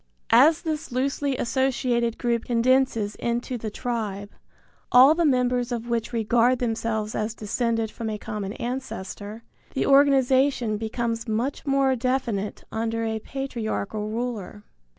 As this loosely associated group condenses into the tribe, all the members of which regard themselves as descended from a common ancestor, the organization becomes much more definite under a patriarchal ruler.